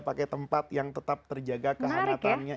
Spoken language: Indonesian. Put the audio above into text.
pakai tempat yang tetap terjaga kehangatannya